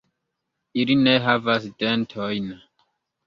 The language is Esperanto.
Ili ne havas dentojn.